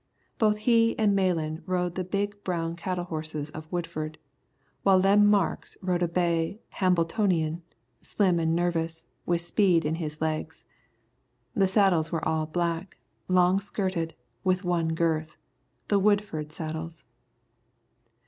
Both he and Malan rode the big brown cattle horses of Woodford, while Lem Marks rode a bay Hambletonian, slim and nervous, with speed in his legs. The saddles were all black, long skirted, with one girth, the Woodford saddles.